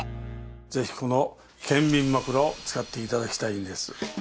ぜひこの健眠枕を使って頂きたいんです。